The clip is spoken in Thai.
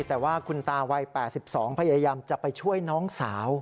แต่ว่าคุณตาวัย๘๒พยายามจะไปช่วยน้องสาว